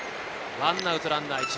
１アウトランナー１塁。